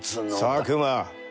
佐久間。